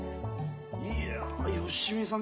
いや芳美さん